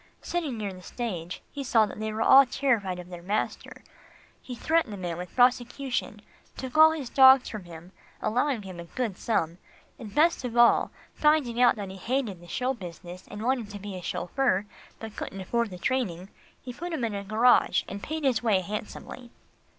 Sitting near the stage, he saw that they were all terrified of their master. He threatened the man with prosecution, took all his dogs from him, allowing him a good sum; and best of all, finding out that he hated the show business and wanted to be a chauffeur, but couldn't afford the training, he put him in a garage and paid his way handsomely.